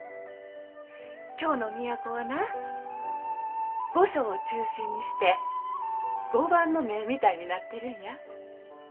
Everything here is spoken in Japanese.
京の都はな御所を中心にして碁盤の目みたいになってるんや。